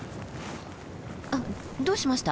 あどうしました？